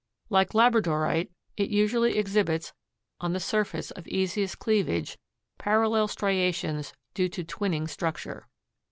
Like labradorite it usually exhibits on the surface of easiest cleavage parallel striations due to twinning structure.